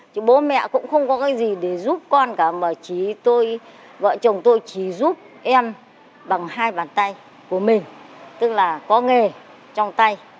chứ bố mẹ cũng không có cái gì để giúp con cả mà vợ chồng tôi chỉ giúp em bằng hai bàn tay của mình tức là có nghề trong tay